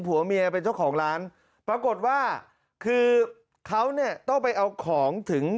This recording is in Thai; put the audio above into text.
ผัวเมียเป็นเจ้าของร้านปรากฏว่าคือเขาเนี่ยต้องไปเอาของถึง